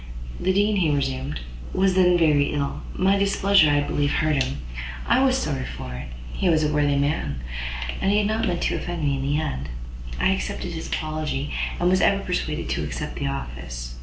"The Dean," he resumed, "was then very ill; my displeasure, I believe, hurt him. I was sorry for it; he was a worthy man, and had not meant to offend me; in the end, I accepted his apology, and was even persuaded to accept the office.